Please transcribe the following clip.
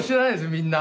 みんな。